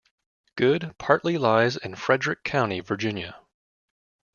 Good partly lies in Frederick County, Virginia.